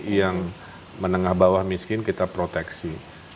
yang menengah bawah miskin kita proteksi